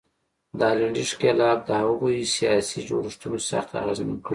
د هالنډي ښکېلاک د هغوی سیاسي جوړښتونه سخت اغېزمن کړل.